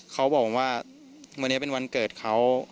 เขาบอกว่าวันนี้เป็นวันเกิดเขา